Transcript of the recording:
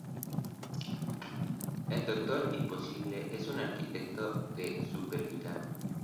El Doctor Imposible es un arquetipo de supervillano.